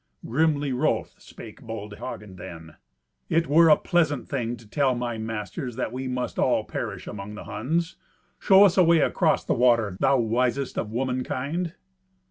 Grimly wroth spake bold Hagen then. "It were a pleasant thing to tell my masters that we must all perish among the Huns! Show us a way across the water, thou wisest of womankind."